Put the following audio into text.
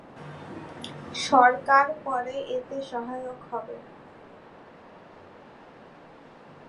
সরকার পরে এতে সহায়ক হবে।